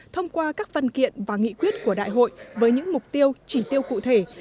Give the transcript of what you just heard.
thông qua các văn kiện và nghị quyết của đại hội với những mục tiêu chỉ tiêu cụ thể